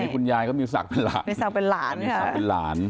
อันนี้คุณยายก็มีสักเป็นหลาน